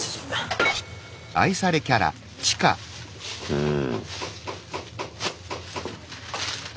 うん？